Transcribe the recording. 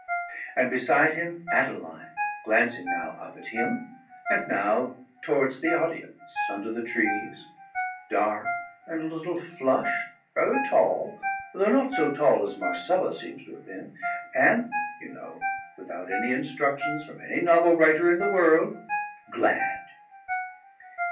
And beside him Adeline, glancing now up at him and now towards the audience under the trees, dark and a little flushed, rather tall though not so tall as Marcella seems to have been and, you know, without any instructions from any novel writer in the world, glad.